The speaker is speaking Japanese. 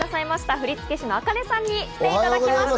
振付師のａｋａｎｅさんに来ていただきました。